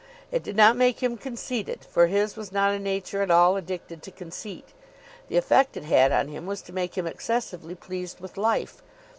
It did not make him conceited, for his was not a nature at all addicted to conceit. The effect it had on him was to make him excessively pleased with life.